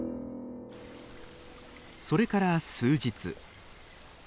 それから数日。